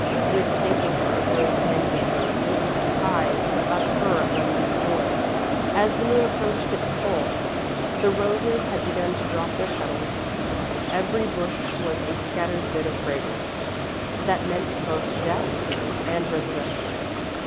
With sinking heart, Rose envied her even a tithe of her abundant joy. As the moon approached its full, the roses had begun to drop their petals. Under every bush was a scattered bit of fragrance that meant both death and resurrection.